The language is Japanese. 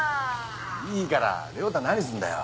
いいから亮太何すんだよ？